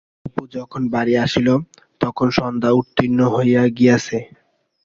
অপু যখন বাড়ি আসিল, তখন সন্ধা উত্তীর্ণ হইয়া গিয়াছে।